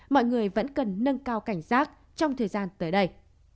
mọi người vẫn cần nâng cao cảnh giác trong thời gian tới đây